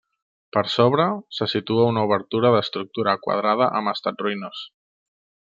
Per sobre, se situa una obertura d'estructura quadrada amb estat ruïnós.